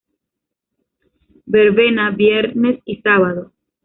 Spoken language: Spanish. Verbena, viernes y sábado.